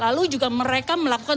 lalu juga mereka melakukan